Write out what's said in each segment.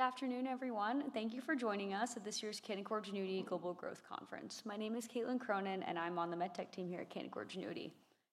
Good afternoon, everyone. Thank you for joining us at this year's Canaccord Genuity Global Growth Conference. My name is Caitlin Cronin, and I'm on the MedTech team here at Canaccord Genuity.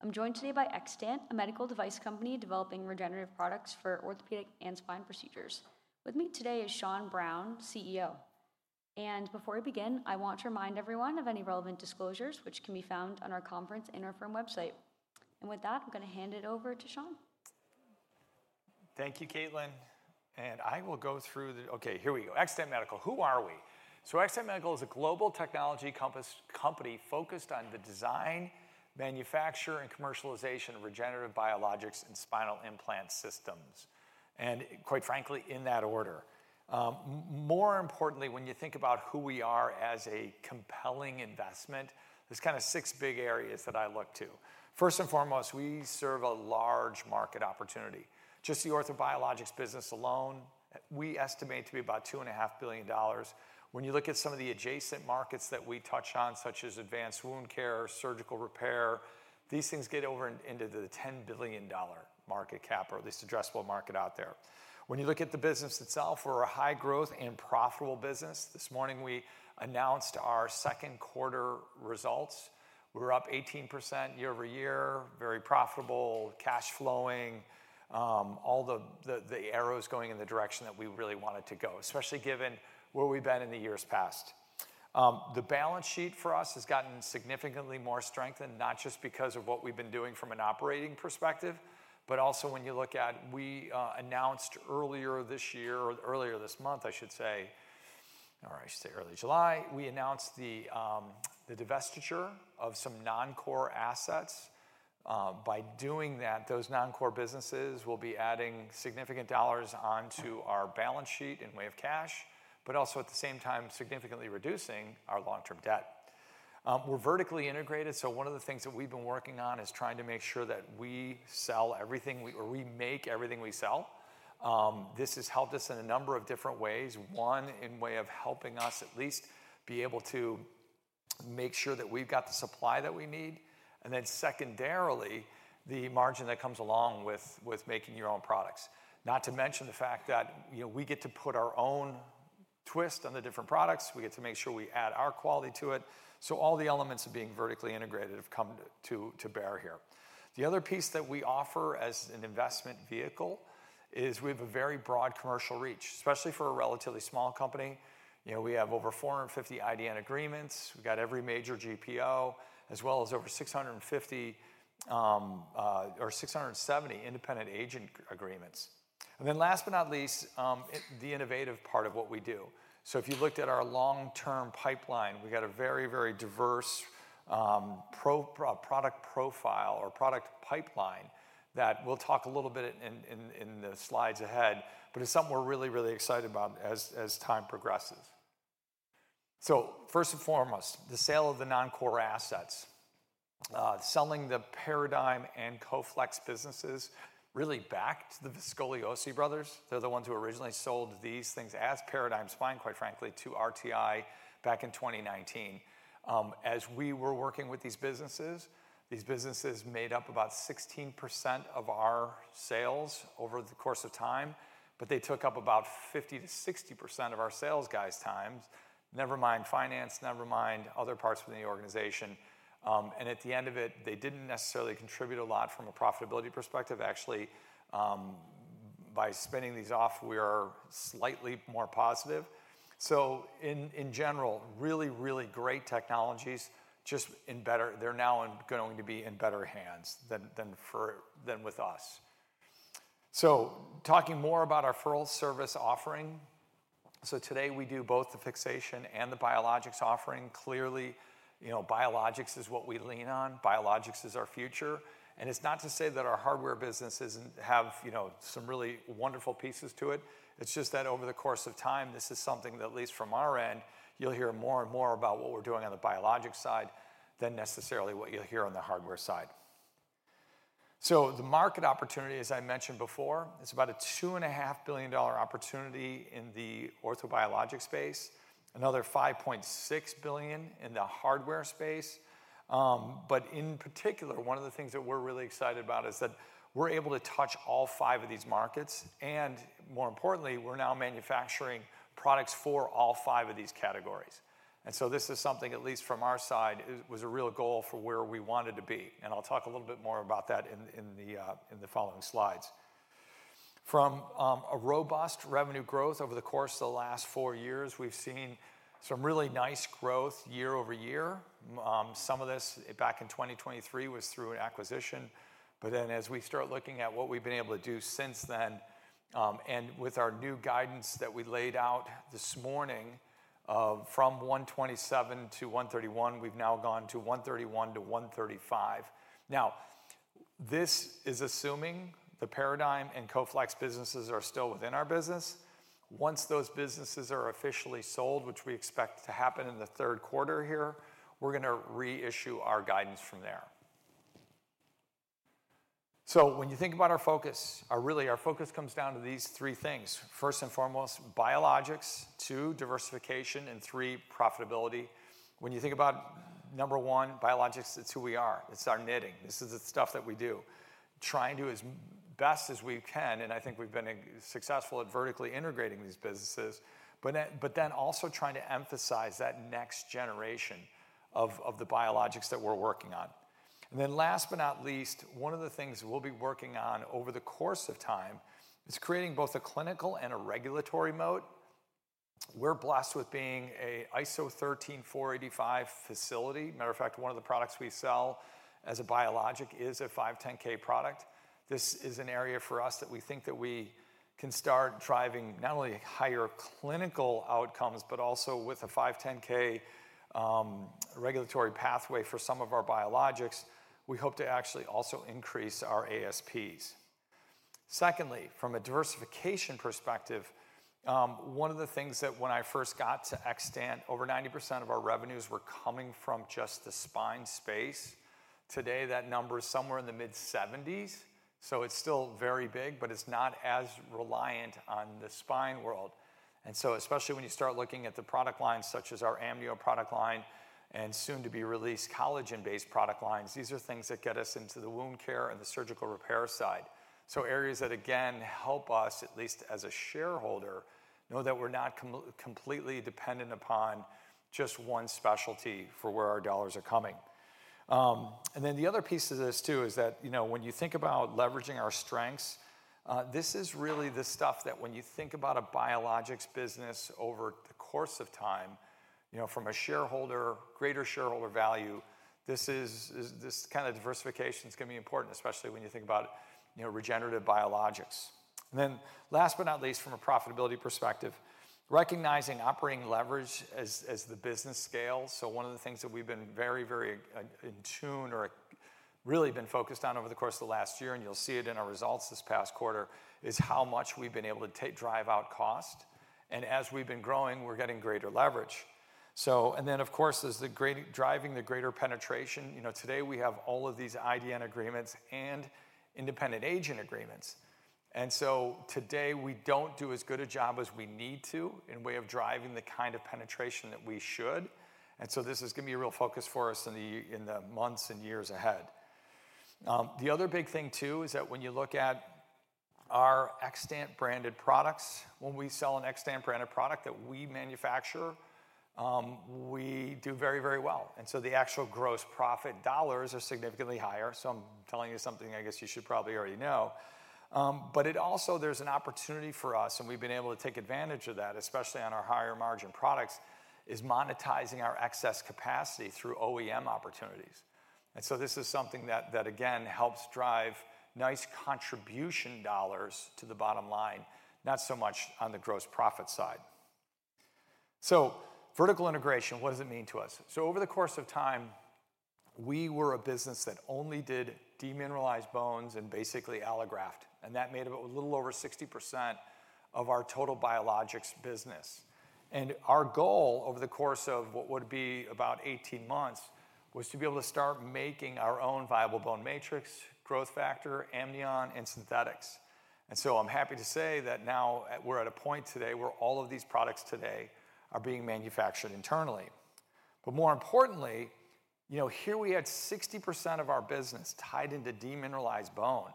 I'm joined today by Xtant Medical Holdings Inc., a medical device company developing regenerative products for orthopedic and spine procedures. With me today is Sean Browne, CEO. Before we begin, I want to remind everyone of any relevant disclosures, which can be found on our conference and our firm website. With that, I'm going to hand it over to Sean. Thank you, Caitlin. I will go through the, okay, here we go. Xtant Medical. Who are we? Xtant Medical is a global technology company focused on the design, manufacture, and commercialization of regenerative biologics and spinal implant systems, and quite frankly, in that order. More importantly, when you think about who we are as a compelling investment, there's kind of six big areas that I look to. First and foremost, we serve a large market opportunity. Just the orthobiologics business alone, we estimate to be about $2.5 billion. When you look at some of the adjacent markets that we touch on, such as advanced wound care and surgical repair, these things get over into the $10 billion market cap, or at least addressable market out there. When you look at the business itself, we're a high growth and profitable business. This morning, we announced our second quarter results. We're up 18% year-over-year, very profitable, cash flowing, all the arrows going in the direction that we really wanted to go, especially given where we've been in the years past. The balance sheet for us has gotten significantly more strengthened, not just because of what we've been doing from an operating perspective, but also when you look at, we announced earlier this year, or earlier this month, I should say, all right, I should say early July, we announced the divestiture of some non-core assets. By doing that, those non-core businesses will be adding significant dollars onto our balance sheet in way of cash, but also at the same time, significantly reducing our long-term debt. We're vertically integrated, so one of the things that we've been working on is trying to make sure that we sell everything we, or we make everything we sell. This has helped us in a number of different ways. One, in way of helping us at least be able to make sure that we've got the supply that we need. Secondarily, the margin that comes along with making your own products. Not to mention the fact that we get to put our own twist on the different products. We get to make sure we add our quality to it. All the elements of being vertically integrated have come to bear here. The other piece that we offer as an investment vehicle is we have a very broad commercial reach, especially for a relatively small company. We have over 450 IDN agreements. We've got every major GPO, as well as over 650 or 670 independent agent agreements. Last but not least, the innovative part of what we do. If you looked at our long-term pipeline, we've got a very, very diverse product profile or product pipeline that we'll talk a little bit in the slides ahead, but it's something we're really, really excited about as time progresses. First and foremost, the sale of the non-core assets, selling the Paradigm and Coflex businesses really back to the Viscogliosi Brothers. They're the ones who originally sold these things as Paradigm Spine, quite frankly, to RTI back in 2019. As we were working with these businesses, these businesses made up about 16% of our sales over the course of time, but they took up about 50%-60% of our sales guys' time. Never mind finance, never mind other parts of the organization. At the end of it, they didn't necessarily contribute a lot from a profitability perspective. Actually, by spinning these off, we are slightly more positive. In general, really, really great technologies, just in better, they're now going to be in better hands than with us. Talking more about our referral service offering. Today we do both the fixation and the biologics offering. Clearly, you know, biologics is what we lean on. Biologics is our future. It's not to say that our hardware business doesn't have, you know, some really wonderful pieces to it. It's just that over the course of time, this is something that at least from our end, you'll hear more and more about what we're doing on the biologic side than necessarily what you'll hear on the hardware side. The market opportunity, as I mentioned before, is about a $2.5 billion opportunity in the orthobiologic space, another $5.6 billion in the hardware space. In particular, one of the things that we're really excited about is that we're able to touch all five of these markets. More importantly, we're now manufacturing products for all five of these categories. This is something, at least from our side, was a real goal for where we wanted to be. I'll talk a little bit more about that in the following slides. From a robust revenue growth over the course of the last four years, we've seen some really nice growth year-over-year. Some of this back in 2023 was through an acquisition. As we start looking at what we've been able to do since then, and with our new guidance that we laid out this morning, from $127 million-$131 million, we've now gone to $131 million-$135 million. Now, this is assuming the Paradigm and Coflex businesses are still within our business. Once those businesses are officially sold, which we expect to happen in the third quarter here, we're going to reissue our guidance from there. When you think about our focus, really our focus comes down to these three things. First and foremost, biologics, two, diversification, and three, profitability. When you think about number one, biologics, it's who we are. It's our knitting. This is the stuff that we do, trying to do as best as we can, and I think we've been successful at vertically integrating these businesses, but then also trying to emphasize that next generation of the biologics that we're working on. Last but not least, one of the things we'll be working on over the course of time is creating both a clinical and a regulatory moat. We're blessed with being an ISO 13485 facility. Matter of fact, one of the products we sell as a biologic is a 510(k) product. This is an area for us that we think that we can start driving not only higher clinical outcomes, but also with a 510(k) regulatory pathway for some of our biologics. We hope to actually also increase our ASPs. Secondly, from a diversification perspective, when I first got to Xtant, over 90% of our revenues were coming from just the spine space. Today, that number is somewhere in the mid 70%s. It's still very big, but it's not as reliant on the spine world. Especially when you start looking at the product lines, such as our amniotic and soon to be released collagen-based product lines, these are things that get us into the wound care and the surgical repair side. These areas help us, at least as a shareholder, know that we're not completely dependent upon just one specialty for where our dollars are coming from. The other piece of this too is that when you think about leveraging our strengths, this is really the stuff that when you think about a biologics business over the course of time, from a shareholder, greater shareholder value, this kind of diversification is going to be important, especially when you think about regenerative biologics. Last but not least, from a profitability perspective, recognizing operating leverage as the business scales. One of the things that we've been very, very in tune or really been focused on over the course of the last year, and you'll see it in our results this past quarter, is how much we've been able to drive out cost. As we've been growing, we're getting greater leverage. Of course, as the great driving the greater penetration, you know, today we have all of these IDN agreements and independent agent agreements. Today we don't do as good a job as we need to in way of driving the kind of penetration that we should. This is going to be a real focus for us in the months and years ahead. The other big thing too is that when you look at our Xtant branded products, when we sell an Xtant branded product that we manufacture, we do very, very well. The actual gross profit dollars are significantly higher. I'm telling you something I guess you should probably already know, but it also, there's an opportunity for us, and we've been able to take advantage of that, especially on our higher margin products, is monetizing our excess capacity through OEM opportunities. This is something that, again, helps drive nice contribution dollars to the bottom line, not so much on the gross profit side. Vertical integration, what does it mean to us? Over the course of time, we were a business that only did demineralized bones and basically allograft, and that made up a little over 60% of our total biologics business. Our goal over the course of what would be about 18 months was to be able to start making our own viable bone matrix, growth factor, amnion, and synthetics. I'm happy to say that now we're at a point today where all of these products today are being manufactured internally. More importantly, here we had 60% of our business tied into demineralized bone.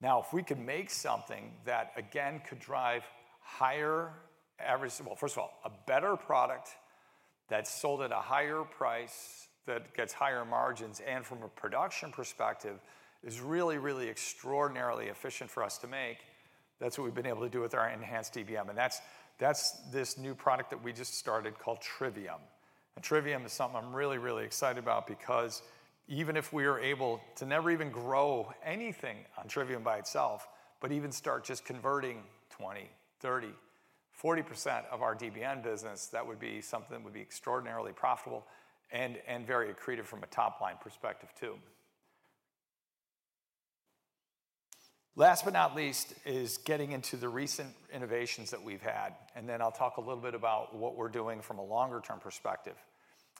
Now, if we can make something that, again, could drive higher average, well, first of all, a better product that's sold at a higher price, that gets higher margins, and from a production perspective, is really, really extraordinarily efficient for us to make. That's what we've been able to do with our enhanced DBM. That's this new product that we just started called Trivium. Trivium is something I'm really, really excited about because even if we are able to never even grow anything on Trivium by itself, but even start just converting 20%, 30%, 40% of our DBM business, that would be something that would be extraordinarily profitable and very accretive from a top line perspective too. Last but not least is getting into the recent innovations that we've had. I'll talk a little bit about what we're doing from a longer term perspective.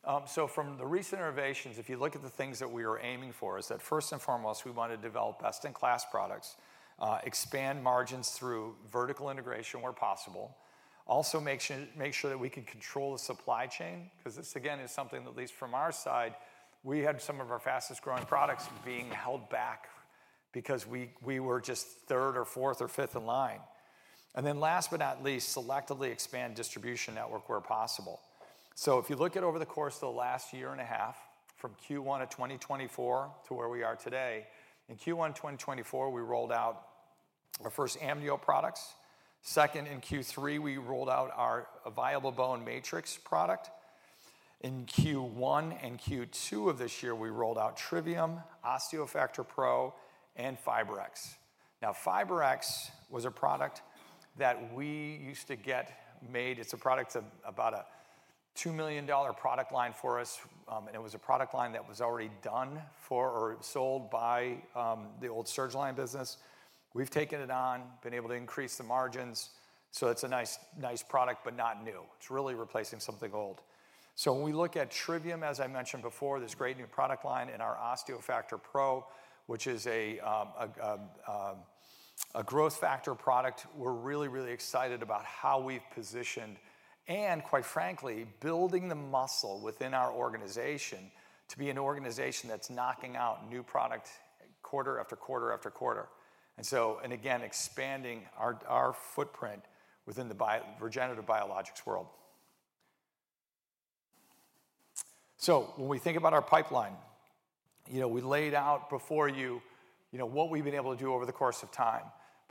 From the recent innovations, if you look at the things that we are aiming for, first and foremost, we want to develop best in class products, expand margins through vertical integration where possible. Also, make sure that we can control the supply chain because this, again, is something that, at least from our side, we had some of our fastest growing products being held back because we were just third or fourth or fifth in line. Last but not least, selectively expand distribution network where possible. If you look at over the course of the last year and a half, from Q1 of 2024 to where we are today, in Q1 of 2024, we rolled out our first amniotic products. In Q3, we rolled out our viable bone matrix product. In Q1 and Q2 of this year, we rolled out Trivium, OsteoFactor Pro, and FiberX. FiberX was a product that we used to get made. It's a product about a $2 million product line for us. It was a product line that was already done for or sold by the old Surgiline business. We've taken it on, been able to increase the margins. It's a nice product, but not new. It's really replacing something old. When we look at Trivium, as I mentioned before, this great new product line and our OsteoFactor Pro, which is a growth factor product, we're really, really excited about how we've positioned and, quite frankly, building the muscle within our organization to be an organization that's knocking out new product quarter after quarter after quarter. Again, expanding our footprint within the regenerative biologics world. When we think about our pipeline, you know, we laid out before you, you know, what we've been able to do over the course of time.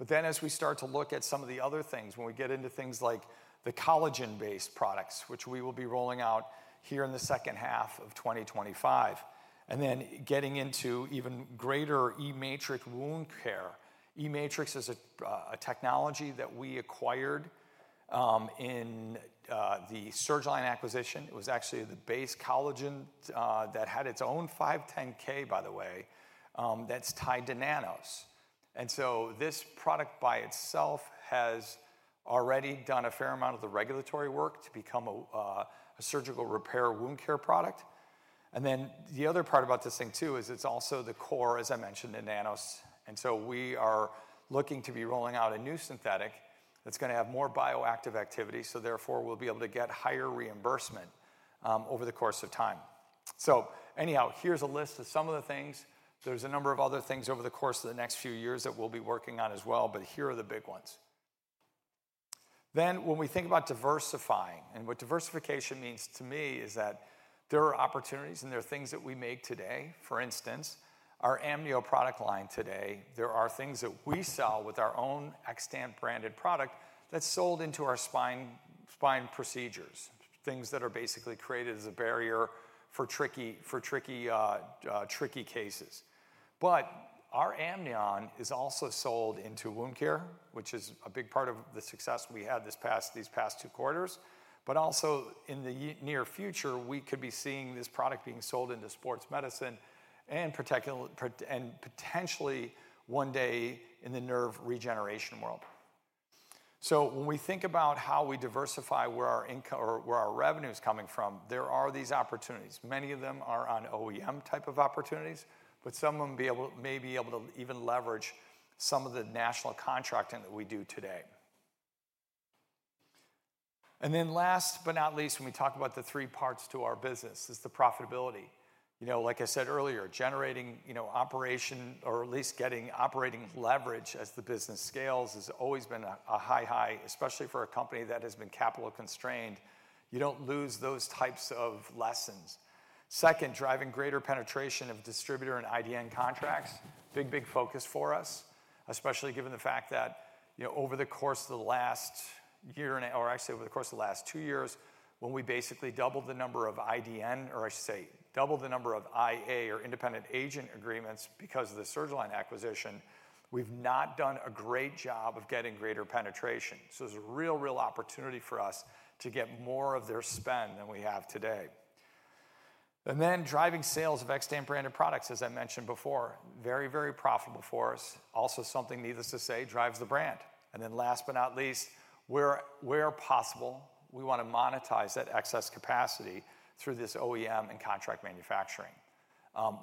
As we start to look at some of the other things, when we get into things like the collagen-based products, which we will be rolling out here in the second half of 2025, and then getting into even greater eMatrix wound care, eMatrix is a technology that we acquired in the Surgiline acquisition. It was actually the base collagen that had its own 510(k), by the way, that's tied to nanos. This product by itself has already done a fair amount of the regulatory work to become a surgical repair wound care product. The other part about this thing too is it's also the core, as I mentioned, the nanos. We are looking to be rolling out a new synthetic that's going to have more bioactive activity. Therefore, we'll be able to get higher reimbursement over the course of time. Here is a list of some of the things. There's a number of other things over the course of the next few years that we'll be working on as well. Here are the big ones. When we think about diversifying, what diversification means to me is that there are opportunities and there are things that we make today. For instance, our amniotic and collagen-based product lines today, there are things that we sell with our own Xtant branded product that's sold into our spine procedures, things that are basically created as a barrier for tricky cases. Our amnion is also sold into wound care, which is a big part of the success we had these past two quarters. In the near future, we could be seeing this product being sold into sports medicine and potentially one day in the nerve regeneration world. When we think about how we diversify where our income or where our revenue is coming from, there are these opportunities. Many of them are on OEM opportunities, but some of them may be able to even leverage some of the national contracting that we do today. Last but not least, when we talk about the three parts to our business, it's the profitability. Like I said earlier, generating operation, or at least getting operating leverage as the business scales has always been a high, high, especially for a company that has been capital constrained. You don't lose those types of lessons. Second, driving greater penetration of distributor and IDN agreements. Big, big focus for us, especially given the fact that over the course of the last year, or actually over the course of the last two years, when we basically doubled the number of IDN, or I should say doubled the number of IA or independent agent agreements because of the Surgiline acquisition, we've not done a great job of getting greater penetration. There's a real, real opportunity for us to get more of their spend than we have today. Driving sales of Xtant branded products, as I mentioned before, is very, very profitable for us. Also, something, needless to say, drives the brand. Last but not least, where possible, we want to monetize that excess capacity through this OEM and contract manufacturing.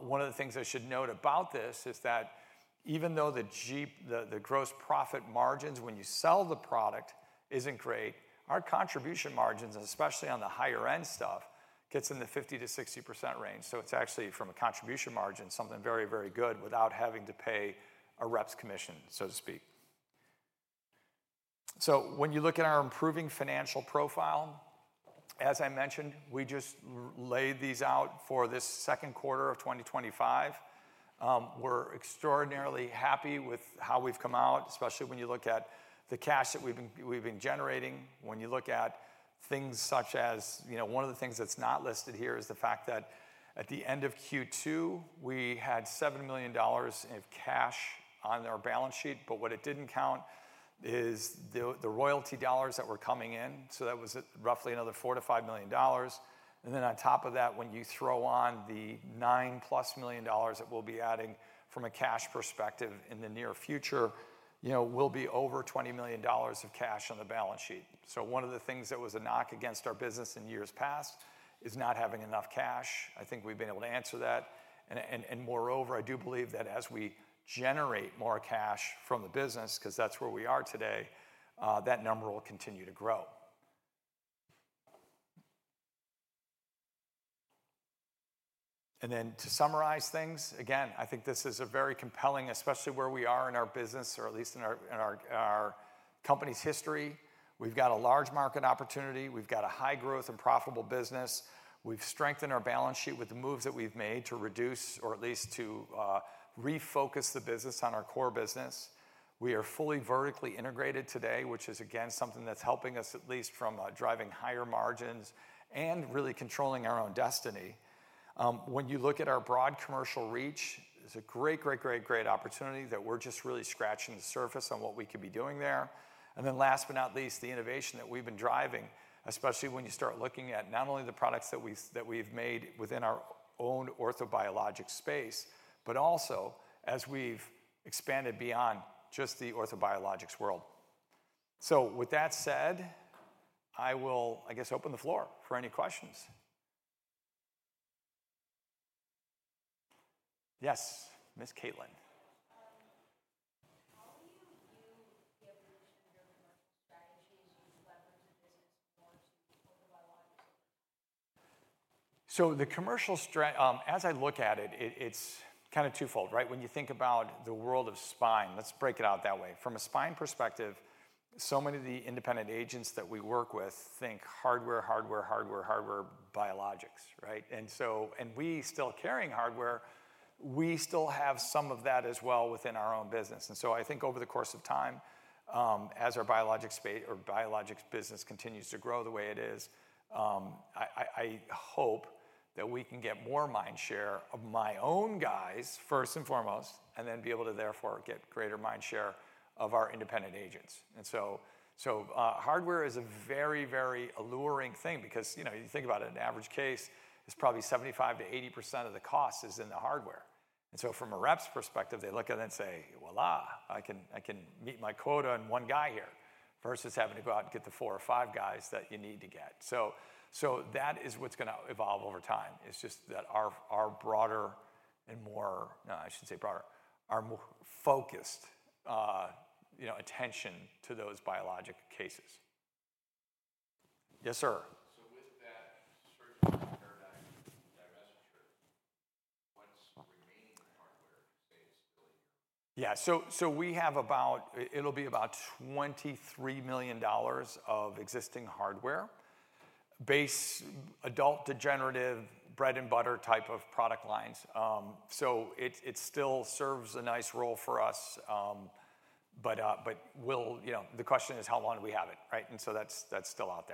One of the things I should note about this is that even though the gross profit margins when you sell the product isn't great, our contribution margins, especially on the higher end stuff, get in the 50%-60% range. It's actually, from a contribution margin, something very, very good without having to pay a rep's commission, so to speak. When you look at our improving financial profile, as I mentioned, we just laid these out for this second quarter of 2025. We're extraordinarily happy with how we've come out, especially when you look at the cash that we've been generating. When you look at things such as, you know, one of the things that's not listed here is the fact that at the end of Q2, we had $7 million of cash on our balance sheet, but what it didn't count is the royalty dollars that were coming in. That was roughly another $4 million-$5 million. On top of that, when you throw on the $9 million plus that we'll be adding from a cash perspective in the near future, we'll be over $20 million of cash on the balance sheet. One of the things that was a knock against our business in years past is not having enough cash. I think we've been able to answer that. Moreover, I do believe that as we generate more cash from the business, because that's where we are today, that number will continue to grow. To summarize things, again, I think this is very compelling, especially where we are in our business, or at least in our company's history. We've got a large market opportunity. We've got a high growth and profitable business. We've strengthened our balance sheet with the moves that we've made to reduce, or at least to refocus the business on our core business. We are fully vertically integrated today, which is again something that's helping us at least from driving higher margins and really controlling our own destiny. When you look at our broad commercial reach, it's a great, great, great, great opportunity that we're just really scratching the surface on what we could be doing there. Last but not least, the innovation that we've been driving, especially when you start looking at not only the products that we've made within our own orthobiologic space, but also as we've expanded beyond just the orthobiologics world. With that said, I will open the floor for any questions. Yes, Ms. Caitlin. The evolution of your business, the strategy you use to leverage the business to launch orthobiologics. The commercial, as I look at it, it's kind of twofold, right? When you think about the world of spine, let's break it out that way. From a spine perspective, so many of the independent agents that we work with think hardware, hardware, hardware, hardware, biologics, right? We still carry hardware, we still have some of that as well within our own business. I think over the course of time, as our biologics space or biologics business continues to grow the way it is, I hope that we can get more mind share of my own guys, first and foremost, and then be able to therefore get greater mind share of our independent agents. Hardware is a very, very alluring thing because, you know, you think about it, an average case is probably 75%-80% of the cost is in the hardware. From a rep's perspective, they look at it and say, voila, I can meet my quota in one guy here versus having to go out and get the four or five guys that you need to get. That is what's going to evolve over time. It's just that our broader and more, no, I should say broader, our focused, you know, attention to those biologic cases. Yes, sir. We have about, it'll be about $23 million of existing hardware-based adult degenerative bread and butter type of product lines. It still serves a nice role for us, but, you know, the question is how long do we have it, right? That's still out there.